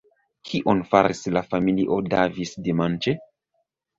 Kion faris la familio Davis dimanĉe?